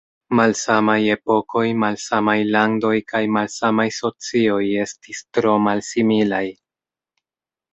Malsamaj epokoj, malsamaj landoj kaj malsamaj socioj estis tro malsimilaj.